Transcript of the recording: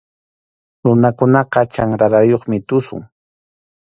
Runakunaqa chanrarayuqmi tusun.